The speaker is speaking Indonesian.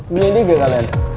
ini dia guys